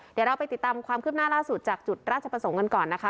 เดี๋ยวเราไปติดตามความคืบหน้าล่าสุดจากจุดราชประสงค์กันก่อนนะคะ